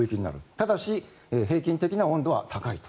ただし平均的な温度は高いと。